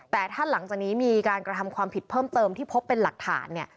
แต่ถ้าหลังจากนี้มีการกระทำความผิดเพิ่มเติมที่พบเป็นหลักฐานเนี่ย